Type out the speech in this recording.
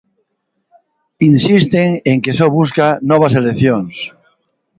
Insisten en que só busca novas eleccións.